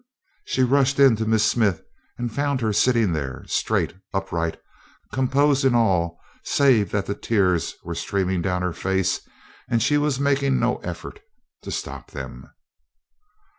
She rushed in to Miss Smith and found her sitting there straight, upright, composed in all save that the tears were streaming down her face and she was making no effort to stop them.